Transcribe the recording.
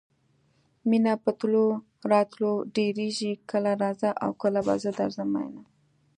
مینه په تلو راتلو ډېرېږي کله راځه او کله به زه درځم میینه.